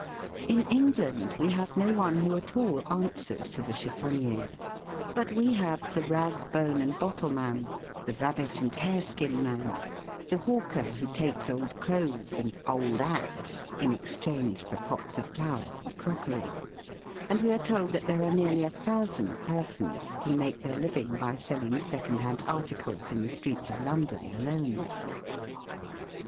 In England we have no one who at all answers to the SALE AT THE TUILERIES. 275 chtffonnier ; but we have the " rag, bone, and bottle man," the "rabbit and hare skin man," the hawker who takes old clothes and " old 'ats " in exchange for pots of flowers and crockery and we are told that there are nearly a thousand persons who make their living by selling second hand ar ticles in the streets of London alone.